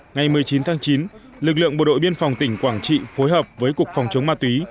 ngày một mươi chín tháng chín lực lượng bộ đội biên phòng tỉnh quảng trị phối hợp với cục phòng chống ma túy